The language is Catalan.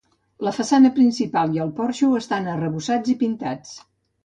La façana principal i el porxo estan arrebossats i pintats.